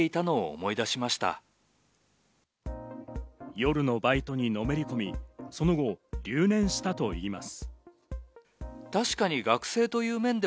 夜のバイトにのめり込み、その後、留年したといいます。